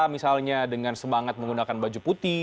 misalnya dengan semangat menggunakan baju putih